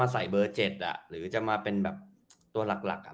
มาใส่เบอร์เจ็ดอ่ะหรือจะมาเป็นแบบตัวหลักหลักอ่ะ